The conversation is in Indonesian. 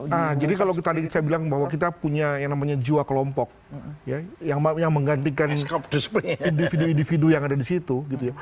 nah jadi kalau tadi saya bilang bahwa kita punya yang namanya jiwa kelompok yang menggantikan individu individu yang ada di situ gitu ya